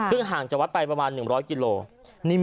ซึ่งห้างจะวัดไปประมาณหนึ่งร้อยกิโลกรัม